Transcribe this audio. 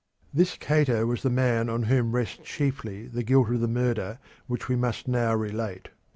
This Cato was the man on whom rests chiefly the guilt of the murder which we must now relate.